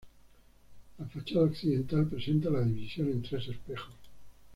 La fachada occidental presenta la división en tres espejos.